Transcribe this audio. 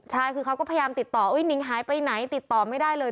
ใช่คือเขาก็พยายามติดต่อนิ้งหายไปไหนติดต่อไม่ได้เลย